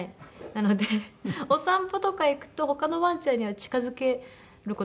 なのでお散歩とか行くと他のワンちゃんには近付ける事できないんですよ。